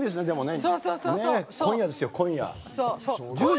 今夜ですよ、今夜。